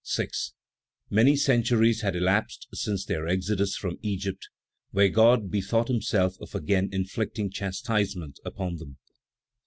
6. Many centuries had elapsed since their exodus from Egypt, when God bethought himself of again inflicting chastisement upon them.